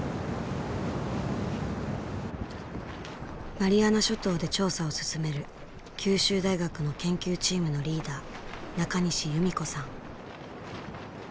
マリアナ諸島で調査を進める九州大学の研究チームのリーダー中西裕見子さん。